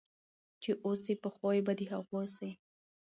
چي اوسې په خوی به د هغو سې